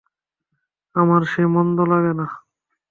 আমার সে মন্দ লাগে না।